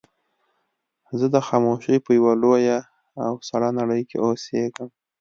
زه د خاموشۍ په يوه لويه او سړه نړۍ کې اوسېږم.